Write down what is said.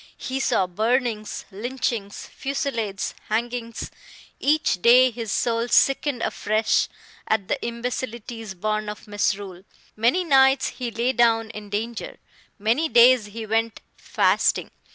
He saw burnings, lynchings, fusillades, hangings; each day his soul sickened afresh at the imbecilities born of misrule. Many nights he lay down in danger. Many days he went fasting.